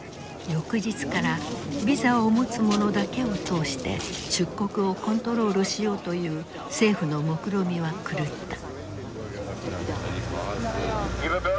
翌日からビザを持つ者だけを通して出国をコントロールしようという政府のもくろみは狂った。